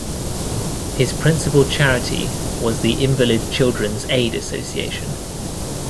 His principal charity was the Invalid Children's Aid Association.